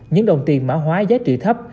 những đồng tiền mã hóa giá trị thấp